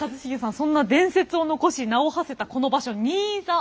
そんな伝説を残し名をはせたこの場所新座。